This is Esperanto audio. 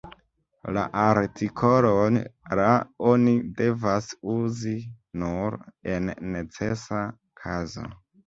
La artikolon "la" oni devas uzi nur en necesa kazo.